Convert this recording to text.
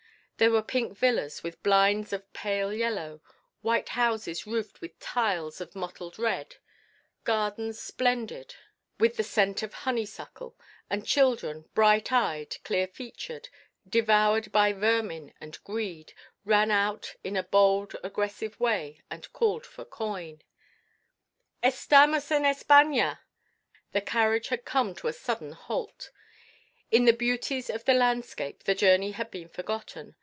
There were pink villas with blinds of pale yellow, white houses roofed with tiles of mottled red, gardens splendid with the scent of honeysuckle, and children, bright eyed, clear featured, devoured by vermin and greed, ran out in a bold, aggressive way and called for coin. "Estamos en España!" The carriage had come to a sudden halt. In the beauties of the landscape the journey had been forgotten.